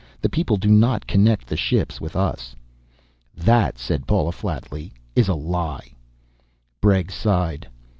The people do not connect the ships with us." "That," said Paula flatly, "is a lie." Bregg sighed.